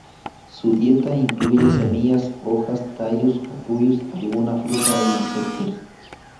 Su dieta incluye semillas, hojas, tallos, capullos, alguna fruta e insectos.